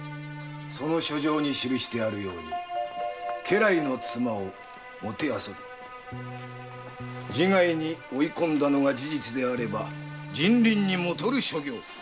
その書状に記してあるように家来の妻を弄び自害に追い込んだのが事実なら人倫に悖る所業。